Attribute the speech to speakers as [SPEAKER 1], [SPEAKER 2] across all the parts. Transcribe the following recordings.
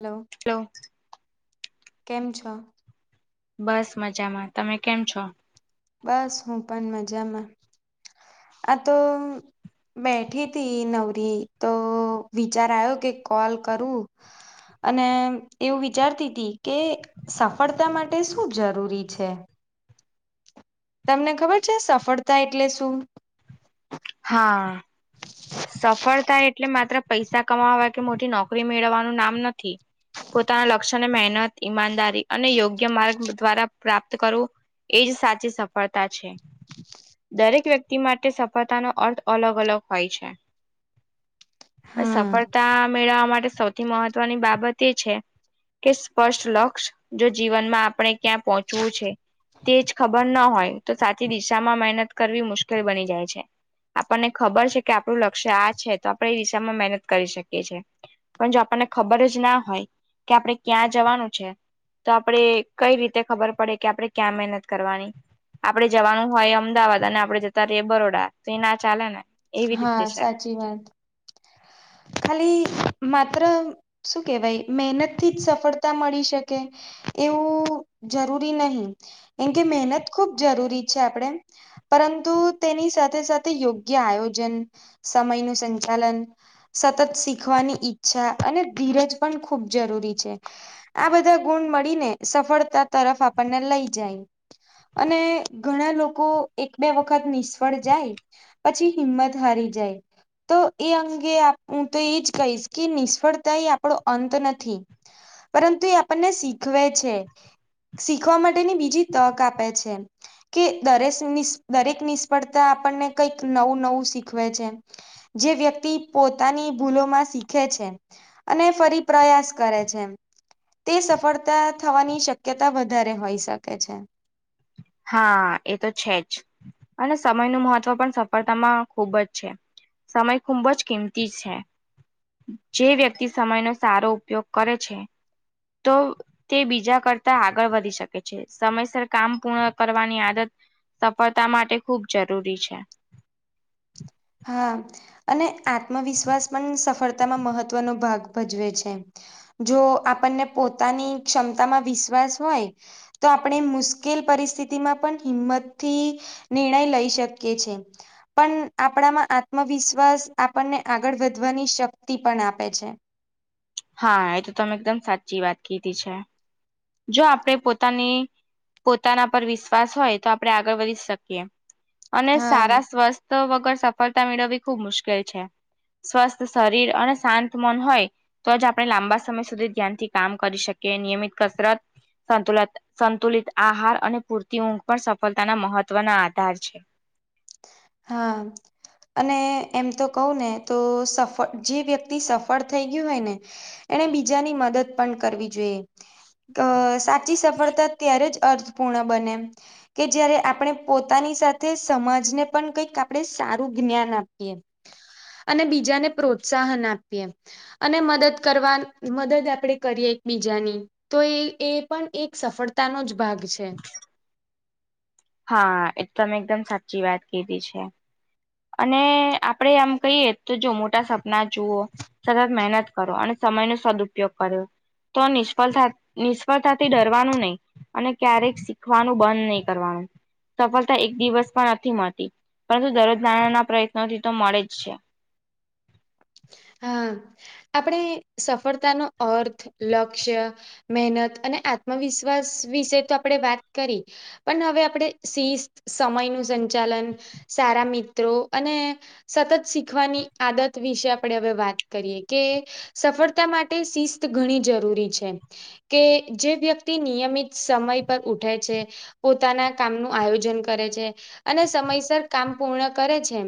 [SPEAKER 1] Hello.
[SPEAKER 2] Hello.
[SPEAKER 1] કેમ છો?
[SPEAKER 2] બસ મજામાં તમે કેમ છો?
[SPEAKER 1] બસ હું પણ મજામાં આ તો બેઠી હતીથી નવરી તો વિચાર આવ્યો કે કોલ કરું અને એવું વિચારતી હતી કે સફળતા માટે શું જરૂરી છે? તમને ખબર છે સફળતા એટલે શું
[SPEAKER 2] હા. સફળતા એટલે માત્ર પૈસા કમાવા કે મોટી નોકરી મેળવવાનું નામ નથી. પોતાના લક્ષ્યને મહેનત ઈમાનદારી અને યોગ્ય માર્ગ દ્વારા પ્રાપ્ત કરવું. એજ સાચી સફળતા છે દરેક વ્યક્તિ માટે સફળ તાનો અર્થ અલગ અલગ હોય છે.
[SPEAKER 1] હા
[SPEAKER 2] સફળતા મેળવવા માટે સૌ મહત્વની બાબત એ છે કે સ્પષ્ટ લક્ષ જો જીવનમાં આપણે ક્યાં પહોંચવું છે તેજ ખબર ના હોય તો સાચી દિશામાં મહેનત કરવી મુશ્કેલ બની જાય છે. આપણને ખબર છે કે આપણું લક્ષ્ય આ છે તો આપણે એ દિશામાં મહેનત કરી શકીએ છીએ. પણ જો આપણને ખબર જ ના હોય કે આપણે ક્યાં જવાનું છે. તો આપણે કઈ રીતે ખબર પડે કે આપડણે ક્યાં મહેનત કરવાની આપણે જવાનું હોય અમદાવાદ અને આપણે જતા રહીએ બરોડા તો એ ના ચાલે ને એવી રીતે
[SPEAKER 1] હા
[SPEAKER 2] છે.
[SPEAKER 1] સાચી વાત. ખાલી માત્ર શું કેહેવાય મહેનત થી જ સફળતા મળી શકે. એવું જરૂરી નહી એમ કે મહેનત ખુબ જરૂરી છે આપણેે પરંતુ તેની સાથે સાથે યોગ્ય આયોજન સમયનું સંચાલન સતત શીખવાની ઈચ્છા અને ધીરજ પણ ખૂબ જરૂરી છે. આ બધા ગુણ મળીને સફળતા તરફ આપણને લઈ જાય અને ઘણા લોકો એક બે વખત નિષ્ફળ જાય પછી હિંમત હારી જાય તો એ અંગે હું તો એજ કહીશ કે નિષ્ફળતા એ આપણો અંત નથી પરંતુ એ આપણને શીખવે છે. શીખવા માટેની બીજી તક આપે છે. કે દરેશ નિ દરેક નિષ્ફળતા આપણને કઈક નવું નવું શીખવે છે. જે વ્યક્તિ પો પોતાની ભૂલોમાં શીખે છે અને ફરી પ્રયાસ કરે છે. તે સફળતા થવાની શક્યતા વધારે હોઈ શકે છે.
[SPEAKER 2] હા એ તો છે જ અને સમયનું મહત્વ પણ સફળતામાં ખૂબ જ છે સમય ખૂબ જ કિંમતી છે. જે વ્યક્તિ સમયનો સારો ઉપયોગ કરે છે. તો તે બીજા કરતા આગળ વધી શકે છે સમયસર કામ પૂર્ણ કરવાની આદત સફળતા માટે ખૂબ જરૂરી છે.
[SPEAKER 1] હા અને આત્મવિશ્વાસ પણ સફળતામાં મહત્વનો ભાગ ભજવે છે. જો આપણને પોતાની ક્ષમતા માં વિશ્વાસ હોય તો આપણે મુશ્કેલ પરિસ્થિતિમાં પણ હિંમતથી નિર્ણય લઈ શકીએ છે પણ આપણામાં આત્મવિશ્વાસ આપણને આગળ વધવાની શક્તિ પણ આપે છે.
[SPEAKER 2] હા એ તો તમે એકદમ સાચી વાત કીધી છે. જો આપણે પોતાની પોતાના પર વિશ્વાસ હોય તો આપણે આગળ વધી શકીએ અને
[SPEAKER 1] હા.
[SPEAKER 2] સારા સ્વસ્થ તા વગર સફળતા મેળવવી ખુબ મુશ્કેલ છે. સ્વસ્થ શરીર અને શાંત મન હોય. તો જ આપણે લાંબા સમય સુધી ધ્યાનથી કામ કરી શકીએ નિયમિત કસરત સંતુલન સંતુલિત આહાર અને પૂરતી ઊંઘ પણ સફળતાના મહત્વના આધાર છે.
[SPEAKER 1] હા. અને એમ તો કઉ ને તો સફળ જે વ્યક્તિ સફળ થઈ ગયું હોય ને. એને બીજાની મદદ પણ કરવી જોઈએ ત સાચી સફળતા ત્યારે જ અર્થપૂર્ણ બને કે જય્યારે આપણે પોતાની સાથે સમાજ ને પણ કઈક આપણે સારું જ્ઞાન આપીએ અને બીજાને પ્રોત્સાહન આપીએ. અને મદદ કરવા મદદ આપણેે કરીએ એકબીજાની તો એ એ પણ એક સફળતાનો જ ભાગ છે.
[SPEAKER 2] હા એ તમે એકદમ સાચી વાત કીધી છે. અને આપડે આમ કહીએ તો જો મોટા સપના જુઓ સતત મહેનત કરો અને સમય નો સદઉપયોગ કરો. તો નિષ્ફળતા નિષ્ફળતાથી ડરવાનું નહી. અને ક્યારેક શીખવાનું બંધ નહી કરવાનું સફળતા એક દિવસ પણ નથી મળતી પરંતુ દરરોજ નાના નાના પ્રયત્નોથી તો મળે જ છે.
[SPEAKER 1] હા આપણે સફળતા નો અર્થ લક્ષ્ય મહેનત અને આત્મવિશ્વાસ વિશે તો આપણેે વાત કરી પણ હવે આપણે શિસ્ત સમય નુ સંચાલન સારા મિત્રો અને સતત શીખવાની આદત વિશે આપણે હવે વાત કરીએ કે સફળતા માટે શિસ્ત ઘણી જરૂરી છે. કે જે વ્યક્તિ નિયમિત સમય પર ઉઠે છે. પોતાના કામનું આયોજન કરે છે અને સમયસર કામ પૂર્ણ કરે છે.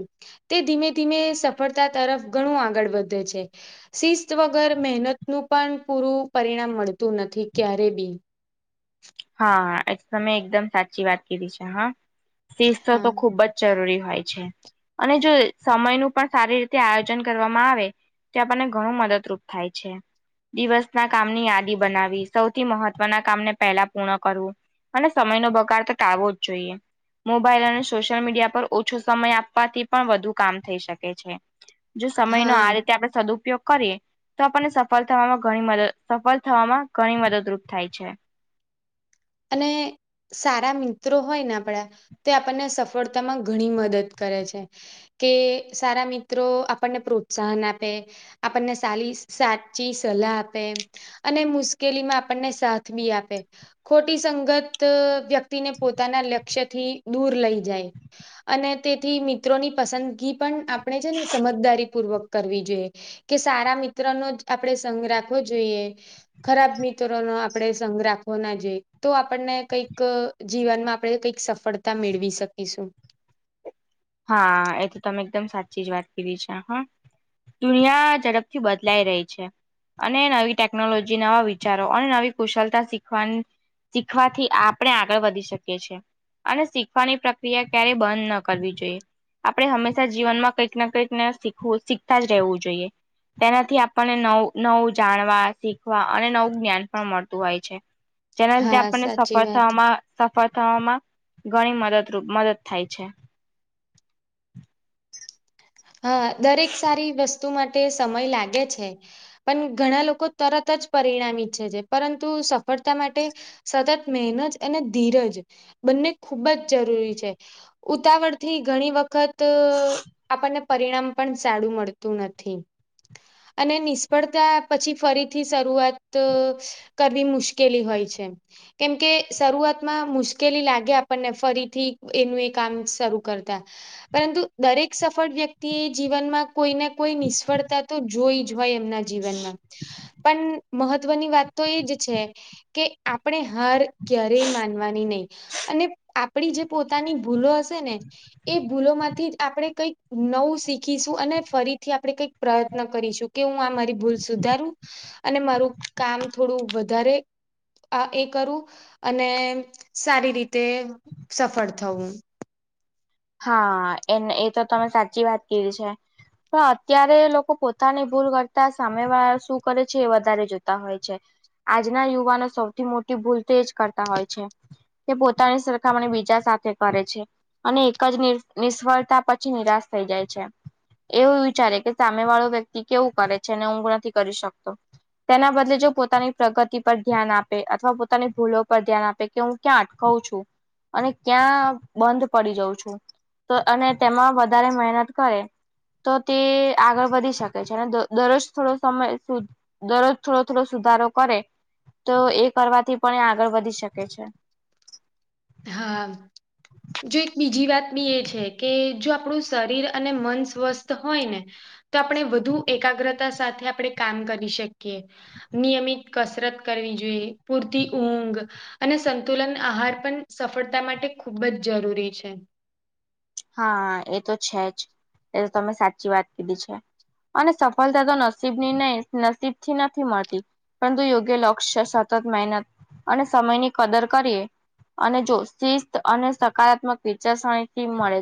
[SPEAKER 1] તે ધીમે ધીમે સફળતા તરફ ઘણું આગળ વધે છે. શિસ્ત વગર મહેનત નું પણ પૂરું પરિણામ મળતું નથી ક્યારે બી.
[SPEAKER 2] હાા તમે એકદમ સાચી વાત કરી છે હા. શિસ્ત તો
[SPEAKER 1] હા
[SPEAKER 2] ખુબ જ જરૂરી હોય છે. અને જો સમય નું પણ સારી રીતે આયોજન કરવામાં આવે. તે આપણને ઘણું મદદરૂપ થાય છે. દિવસ ના કામની યાદી બનાવી સૌથી મહત્વના કામને પહેલા પૂર્ણ કરવું અને સમય નો બગાડ તો ટાવો જ જોઈએ. મોબાઈલ અને સોશિયલ મીડિયા પર ઓછો સમય આપવાથી પણ વધુ કામ થઈ શકે છે. જો સમય નો
[SPEAKER 1] હા
[SPEAKER 2] આ રીતે આપડણે સદુપયોગ કરીએ. તો આપણને સફળ થવામાં ઘણી મદદ સફળ થવામાં ઘણી મદદરૂપ થાય છે.
[SPEAKER 1] અને સારા મિત્રો હોય ને આપણા તે આપણને સફળતામાં ઘણી મદદ કરે છે. કે સારા મિત્રો આપણને પ્રોત્સાહન આપે. આપણને સારી સાચી સલાહ આપે. અને મુશ્કેલી માં આપણને સાથ બી આપે. ખોટી સંગત વ્યક્તિને પોતાના લક્ષ્યથી દૂર લઈ જાય. અને તેથી મિત્રોની પસંદગી પણ આપણે છે ને સમજદારીપૂર્વક કરવી જોઈએ કે સારા મિત્ર નો જ આપણેે સઘ રાખવો જોઈએ. ખરાબ મિત્રો નો આપડે સઘ રાખવો ના જોઈએ. તો આપણને કઈક જીવનમાં આપણે કઈક સફળતા મેળવી શકીશું.
[SPEAKER 2] હા એ તો તમે એકદમ સાચી જ વાત કરીીધી છે હ. દુનિયા ઝડપથી બદલાઈ રહી છે. અને નવી ટેકનોલોજી નવા વિચારો અને નવી કુશળતા શીખવાની. શીખવાથી આપણે આગળ વધી શકીએ છીએ. અને શીખવાની પ્રક્રિયા ક્યારેય બંધ ન કરવી જોઈએ. આપણે હંમેશા જીવનમાં કંઈક ના કઈકને શીખવું શીખતા જ રહેવું જોઈએ. તેનાથી આપણને નવ નવું જાણવા શીખવા અને નવું જ્ઞાન પણ મળતું હોય છે. જેના લધ
[SPEAKER 1] હા
[SPEAKER 2] આપણને
[SPEAKER 1] સાચી
[SPEAKER 2] સફળ
[SPEAKER 1] વાત.
[SPEAKER 2] થવામાં સફળ થવામાં ઘણી મદદરૂપ મદદ થાય છે.
[SPEAKER 1] હા દરેક સારી વસ્તુ માટે સમય લાગે છે. પણ ઘણા લોકો તરત જ પરિણામ ઈચ્છે છે પરંતુ સફળતા માટે સતત મહેનજ અને ધીરજ બંને ખૂબ જ જરૂરી છે. ઉતાવળથી ઘણી વખત. આપણને પરિણામ પણ સારું મળતું નથી. અને નિષ્ફળતા પછી ફરીથી શરૂઆત. કરવી મુશ્કેલી હોય છે. કેમકે શરૂઆતમાં મુશ્કેલી લાગે આપણને ફરીથી એનું એ કામ શરૂ કરતા. પરંતુ દરેક સફળ વ્યક્તિ એ જીવનમાં કોઈ ના કોઈ નિષ્ફળતા તો જોઈ હોય એમના જીવનમાં પણ મહત્વની વાત તો એજ છે કે આપણે હાર ક્યારેય માનવાની નહી અને આપ જે પોતાની ભૂલો હશે ને એ ભૂલો માંથી જ આપણે કઈક નવું શીખીશું અને ફરીથી આપણે કઈક પ્રયત્ન કરીશું કે હું આ મારી ભૂલ સુધારું. અને મારું કામ થોડું વધારે. આ એ કરું અને સારી રીતે સફળ થવું હું.
[SPEAKER 2] હા એ એ તો તમે સાચી વાત કીધી છે. પણ અત્યારે લોકો પોતાની ભૂલ કરતા સામે વાળા શું કરે છે એ વધારે જોતા હોય છે. આજના યુવાનો સૌથી મોટી ભૂલ તેજ કરતા હોય છે તે પોતાની સરખામણી બીજા સાથે કરે છે અને જ નિષ્ફળતા પછી નિરાશ થઈ જાય છે. એવું વિચારે કે સામે વાળો વ્યક્તિ કેવું કરે છે અનેને હઊ નથી કરી શકતો તેના બદલે જો પોતાની પ્રગતિ પર ધ્યાન આપે અથવા પોતાની ભૂલો પર ધ્યાન આપે કે હું ક્યાં અટકું છું અને ક્યાં બંધ પડી જઉં છું. તો અને તેમાં વધારે મહેનત કરે તો તે આગળ વધી શકે છે અને દરરોજ થોડો સમય સુધ દરરોજ થોડો થોડો સુધારો કરે તો એ કરવાથી પણ એ આગળ વધી શકે છે.
[SPEAKER 1] હા જો એક બીજી વાત બી એ છે કે જો આપણું શરીર અને મન સ્વસ્થ હોય ને તો આપણે વધુ એકાગ્રતા સાથે આપણે કામ કરી શકીએ નિયમિત કસરત કરવી જોઈએ પૂરતી ઊંઘ અને સંતુલન આહાર પણ સફળતા માટે ખૂબ જ જરૂરી છે.
[SPEAKER 2] હા એ તો છે જ એ તમે સાચી વાત કીધી છે. અને સફળતા તો નસીબ નિણય નસીબ થી નથી મળતી પરંતુ યોગ્ય લક્ષ્ય સતત મહેનત અને સમયની કદર કરીએ અને જો શિસ્ત અને સકારાત્મક વિચારસરણી થી મળે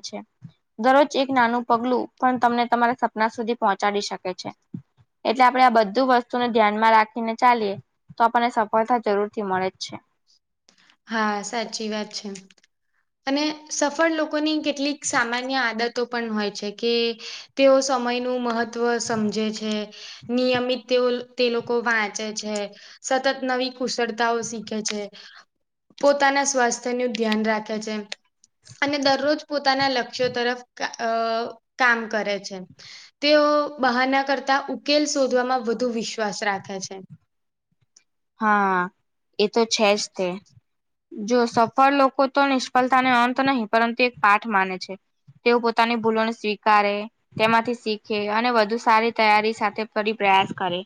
[SPEAKER 2] દરરોજ એક નાનું પગલું પણ તમને તમારા સપના સુધી પહોંચાડી શકે છે. એટલે આપડણે આ બધું વસ્તુને ધ્યાનમાં રાખીને ચાલીએ તો આપણને સફળતા જરૂર થી મળે જ છે.
[SPEAKER 1] હા સાચી વાત છે અને સફળ લોકોની કેટલીક સામાન્ય આદત તો પણ હોય છે કે તેઓ સમય નું મહત્વ સમજે છે. નિયમિત તેઓ તે લોકો વાંચે છે. સતત નવી કુશળતાઓ શીખે છે. પોતાના સ્વાસ્થ્ય ન ધ્યાન રાખે છે અને દરરોજ પોતાના લક્ષ્યો તરફ કામ કરે છે. તેઓ બહારના કરતા ઉકેલ શોધવામાં વધુ વિશ્વાસ રાખે છે.
[SPEAKER 2] હા એ તો છે જ તે જો સફળ લોકો તો નિષ્ફળતાને અંત નહીિ પરંતુ એક પાઠ માને છે. તેઓ પોતાની ભૂલોણ સ્વીકારે તેમાંથી શીખે અને વધુ સારી તૈયારી સાથે કરીરી પ્રયાસ કરે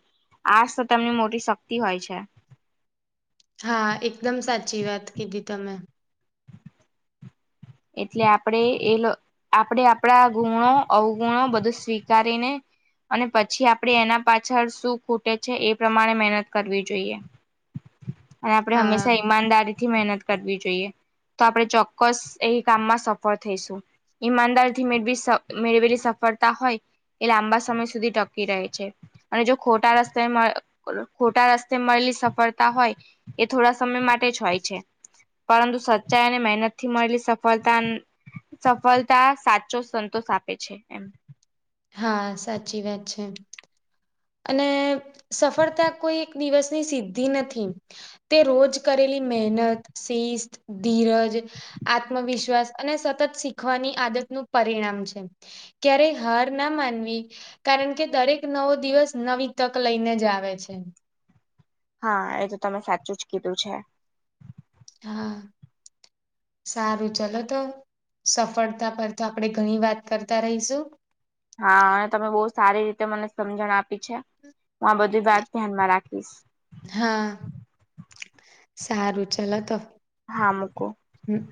[SPEAKER 2] આજ તો તમની મોટી શક્તિ હોય છે.
[SPEAKER 1] હા એકદમ સાચી વાત કીધી તમે
[SPEAKER 2] એટલે આપણે એ આપણે આપણા ગુણો અવગુણો બધું સ્વીકારીને અને પછી આપણેે એના પાછળ શું ખૂટે છે એ પ્રમાણે મહેનત કરવી જોઈએ
[SPEAKER 1] ક
[SPEAKER 2] અને આપણે હંમેશા ઈમાનદારીથી મહેનત કરવી જોઈએ તો આપડે ચોક્કસ એ કામમાં સફળ થઈશું ઈમાનદાર થી મેળવી મેળવેલી સફળતા હોય. એ લાંબા સમય સુધી ટકી રહે છે. અને જો ખોટા રસ્તે ખોટા રસ્તે મળેલી સફળતા હોય. એ થોડા સમય માટે જ હોય છે પરંતુ સચ્ચાઈ અને મહેનત થી મળેલી સફતા સફળતા સાચો સંતોષ આપે છે એમ
[SPEAKER 1] હા સાચી વાત છે. અને સફળતા કોઈ એક દિવસની સિદ્ધિ નથી તે રોજ કરેલી મહેનત શિસ્ત ધીરજ આત્મવિશ્વાસ અને સતત શીખવાની આદતનુંું પરિણામ છે. ક્યારે હાર ના માનવી કારણ કે દરેક નવો દિવસ નવી તક લઈને જ આવે છે.
[SPEAKER 2] હા એ તો તમે સાચું જ કીધું છે.
[SPEAKER 1] હા. સારું ચલો તો સફળતા પર તો આપણેે ઘણી વાત કરતા રહીશું.
[SPEAKER 2] હા અને તમે બહુ સારી રીતે મને સમજણ આપી છે હું આ બધી વાત ધ્યાનમાં રાખીશ.
[SPEAKER 1] હા સારું ચલો તો.
[SPEAKER 2] હા મુક.
[SPEAKER 1] હમ.